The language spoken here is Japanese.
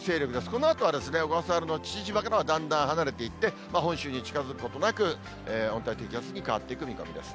このあとは小笠原の父島からはだんだん離れていって、本州に近づくことなく、温帯低気圧に変わっていく見込みです。